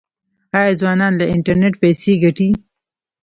آیا ځوانان له انټرنیټ پیسې ګټي؟